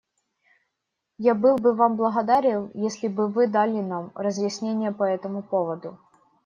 Я был бы Вам благодарен, если бы Вы дали нам разъяснения по этому поводу.